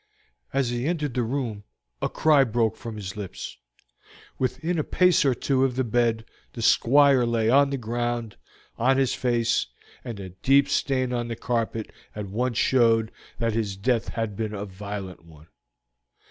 As he entered the room a cry broke from his lips. Within a pace or two of the bed the Squire lay on the ground, on his face, and a deep stain on the carpet at once showed that his death had been a violent one.